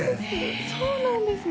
そうなんですよ。